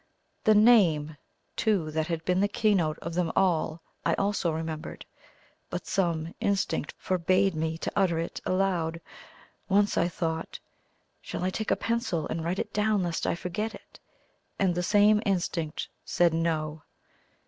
The NAME, too, that had been the key note of them all I also remembered, but some instinct forbade me to utter it aloud. Once I thought, "Shall I take a pencil and write it down lest I forget it?" and the same instinct said "No."